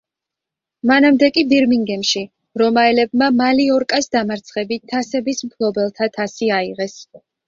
მანამდე კი ბირმინგემში რომაელებმა „მალიორკას“ დამარცხებით თასების მფლობელთა თასი აიღეს.